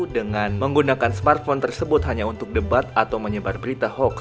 dengan menggunakan smartphone tersebut hanya untuk debat atau menyebar berita hoax